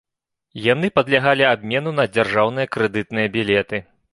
Яны падлягалі абмену на дзяржаўныя крэдытныя білеты.